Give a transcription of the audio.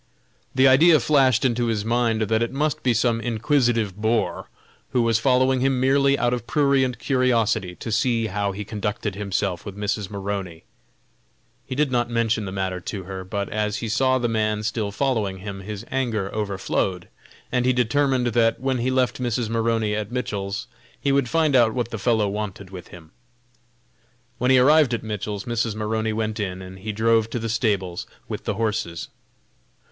The idea flashed into his mind that it must be some inquisitive boor, who was following him merely out of prurient curiosity to see how he conducted himself with Mrs. Maroney. He did not mention the matter to her, but as he saw the man still following him his anger overflowed, and he determined that when he left Mrs. Maroney at Mitchell's, he would find out what the fellow wanted with him. When he arrived at Mitchell's Mrs. Maroney went in, and he drove to the stables with the horses.